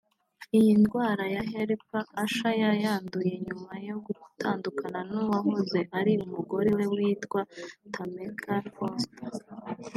Iyi ndwara ya herpes Usher yayanduye nyuma yo gutandukana n’uwahoze ari umugore we witwa Tameka Foster